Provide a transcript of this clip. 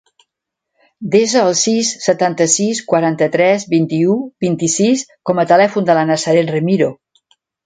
Desa el sis, setanta-sis, quaranta-tres, vint-i-u, vint-i-sis com a telèfon de la Nazaret Remiro.